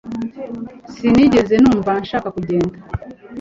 sinigeze numva nshaka kugenda